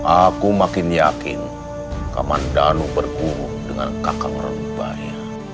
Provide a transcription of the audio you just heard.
aku makin yakin kamandanu berguru dengan kakak ranubaya